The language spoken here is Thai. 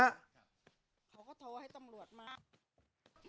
เขาก็โทรให้ตำรวจมา